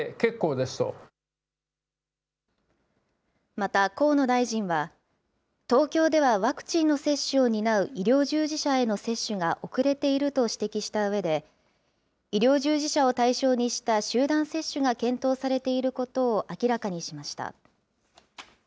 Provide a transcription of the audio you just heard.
また、河野大臣は、東京ではワクチンの接種を担う医療従事者への接種が遅れていると指摘したうえで、医療従事者を対象にした集団接種が検討されていることを明らかにしました。